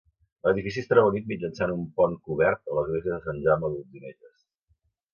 L'edifici es troba unit mitjançant un pont cobert a l'església de Sant Jaume d'Olzinelles.